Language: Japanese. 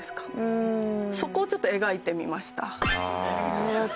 そこをちょっと描いてみました。